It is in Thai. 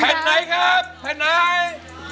แผ่นไหนครับแผ่นไหน